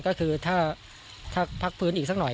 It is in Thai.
ก็คือถ้าพักฟื้นอีกสักหน่อย